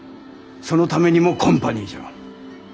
そのためにもコンパニーじゃ。